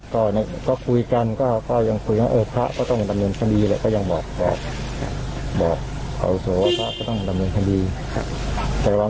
สักเดียวประหวัง๒๓นาทีเราโทรกับประหลังประหลักว่า